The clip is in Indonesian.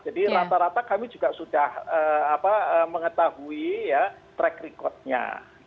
jadi rata rata kami juga sudah mengetahui track record nya